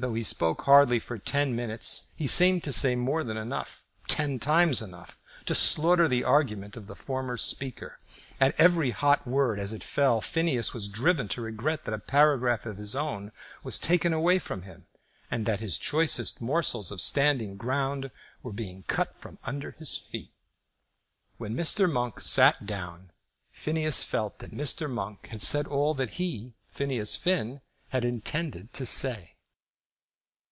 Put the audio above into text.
Though he spoke hardly for ten minutes, he seemed to say more than enough, ten times enough, to slaughter the argument of the former speaker. At every hot word as it fell Phineas was driven to regret that a paragraph of his own was taken away from him, and that his choicest morsels of standing ground were being cut from under his feet. When Mr. Monk sat down, Phineas felt that Mr. Monk had said all that he, Phineas Finn, had intended to say.